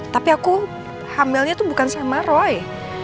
tapi aku hamilnya tuh bukan sama roy